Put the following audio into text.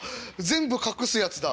全部隠すやつだ。